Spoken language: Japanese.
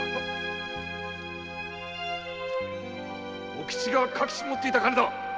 茂吉が隠し持っていた金だ！